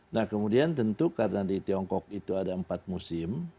nah kemudian tentu karena di tiongkok itu ada empat musim